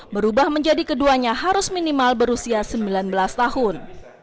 berubah menjadi keduanya harus minimal berusia sembilan belas tahun